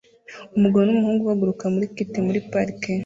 Umugabo n'umuhungu baguruka kite muri parike